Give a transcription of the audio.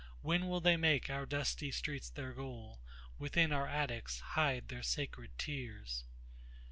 When will they make our dusty streets their goal, Within our attics hide their sacred tears?